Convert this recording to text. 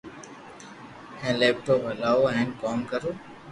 ھون ليپ ٽاپ ھلاو ھين ڪوم ڪرو